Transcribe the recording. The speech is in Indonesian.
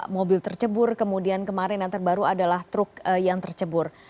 mobil tercebur kemudian kemarin yang terbaru adalah truk yang tercebur